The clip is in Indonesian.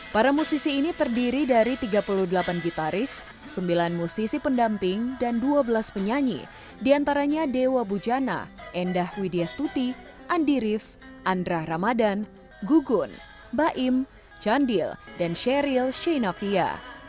para musisi ini terdiri dari tiga puluh delapan gitaris sembilan musisi pendamping dan dua belas penyanyi diantaranya dewa bujana endah widya stuti andi rif andra ramadan gugun baim chandil dan sheryl sheynavia